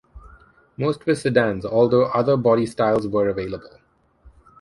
Most were sedans, although other body styles were available.